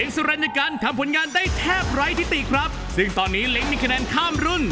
มาลุ้นคะแนนจากกรรมการกันครับว่าเล็งจะขวาไปได้เท่าไร